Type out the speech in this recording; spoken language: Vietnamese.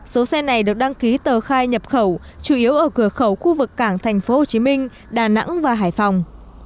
số xe này được đăng ký tờ khai nhập khẩu chủ yếu ở cửa khẩu khu vực cảng tp hcm đà nẵng và hải phòng